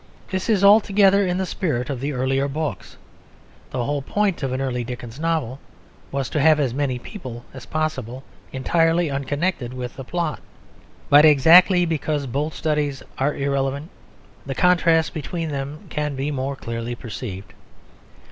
This is altogether in the spirit of the earlier books; the whole point of an early Dickens novel was to have as many people as possible entirely unconnected with the plot. But exactly because both studies are irrelevant, the contrast between them can be more clearly perceived.